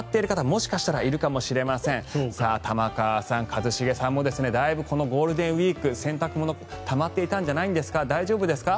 もしかしたらいるかもしれませんさあ、玉川さん、一茂さんもだいぶこのゴールデンウィーク洗濯物がたまっていたんじゃないですか大丈夫ですか？